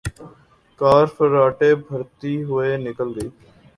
کار فراٹے بھرتی ہوئے نکل گئی